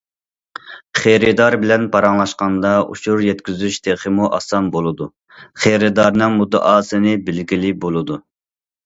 خېرىدار بىلەن پاراڭلاشقاندا ئۇچۇر يەتكۈزۈش تېخىمۇ ئاسان بولىدۇ، خېرىدارنىڭ مۇددىئاسىنى بىلگىلى بولىدۇ.